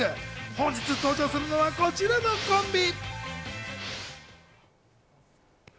本日登場するのはこちらのコンビ！